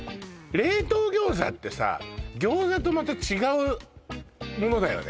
冷凍餃子ってさ餃子とまた違うものだよね